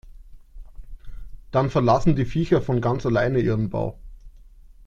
Dann verlassen die Viecher von ganz alleine ihren Bau.